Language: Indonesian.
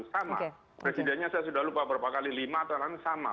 sama presidennya saya sudah lupa berapa kali lima atau sama